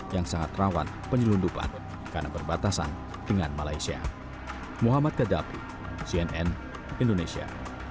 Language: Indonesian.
yang sangat rawan penyelundupan karena berbatasan dengan malaysia